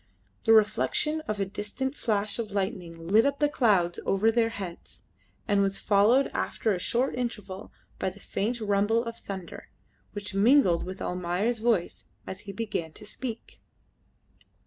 The reflection of a distant flash of lightning lit up the clouds over their heads, and was followed after a short interval by the faint rumble of thunder, which mingled with Almayer's voice as he began to speak.